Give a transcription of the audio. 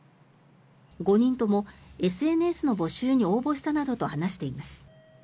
５人ともＳＮＳの募集に応募したなどと話しています。